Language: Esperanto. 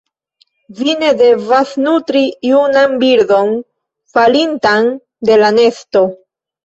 Vi ne devas nutri junan birdon falintan de la nesto.